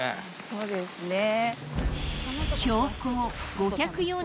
そうですね。